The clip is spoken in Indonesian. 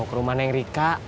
mau ke rumah neng rika